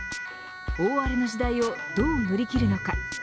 大荒れの時代をどう乗り切るのか。